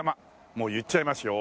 もう言っちゃいますよ